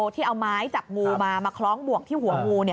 ที่เอาไม้จับงูมามาคล้องบวกที่หัวงู